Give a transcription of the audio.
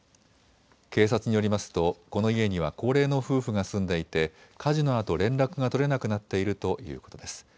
警察によりますとこの家には高齢の夫婦が住んでいて火事のあと、連絡が取れなくなっているということです。